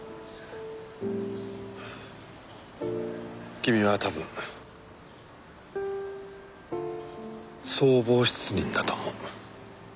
君は多分相貌失認だと思う。